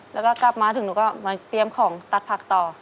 แล้วก็กลับมาถึงหนูก็มาเตรียมของตัดผักต่อ